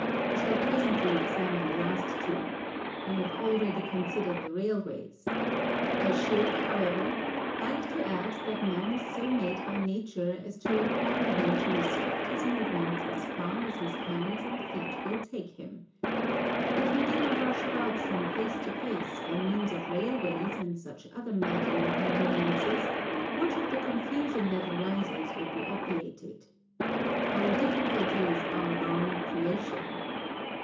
We shall presently examine the last two. We have already considered the railways. I should, however, like to add that man is so made by nature as to require him to restrict his movements as far as his hands and feet will take him. If we did not rush about from place to place by means of railways and such other maddening conveniences, much of the confusion that arises would be obviated. Our difficulties are of our own creation.